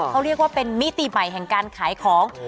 เขาเรียกว่าเป็นมิติใหม่แห่งการขายของ